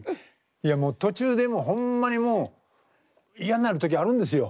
いやもう途中でもうホンマにもう嫌んなる時あるんですよ。